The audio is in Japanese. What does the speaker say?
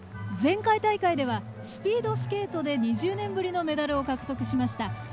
前回大会ではスピードスケートで２０年ぶりのメダルを獲得しました。